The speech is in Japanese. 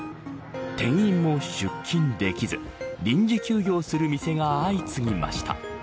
店員も出勤できず臨時休業する店が相次ぎました。